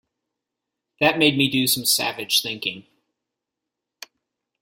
That made me do some savage thinking.